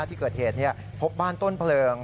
ที่เกิดเหตุพบบ้านต้นเพลิง